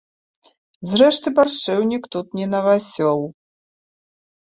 Зрэшты, баршчэўнік тут не навасёл.